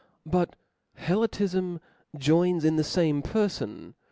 But Helotifm joins in the fame perfon.